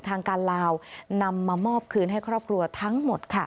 ทางการลาวนำมามอบคืนให้ครอบครัวทั้งหมดค่ะ